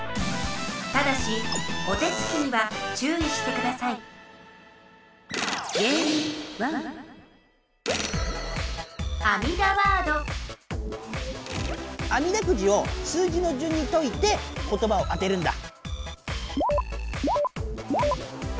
ただしお手つきにはちゅういしてくださいあみだくじを数字のじゅんにといてことばを当てるんだ！